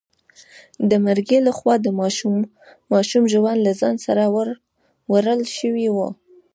د مرګي لخوا د ماشوم ژوند له ځان سره وړل شوی و.